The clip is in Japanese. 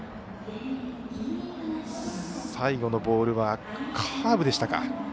最後のボールはカーブでしたか。